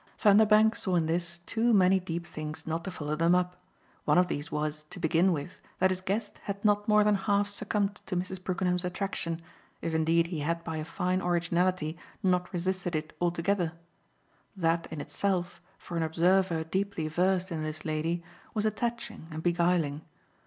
Vanderbank saw in this too many deep things not to follow them up. One of these was, to begin with, that his guest had not more than half succumbed to Mrs. Brookenham's attraction, if indeed he had by a fine originality not resisted it altogether. That in itself, for an observer deeply versed in this lady, was attaching and beguiling.